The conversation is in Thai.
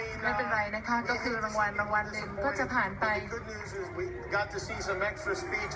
ไม่เป็นไรนะคะก็คือรางวัลรางวัลหนึ่งก็จะผ่านไป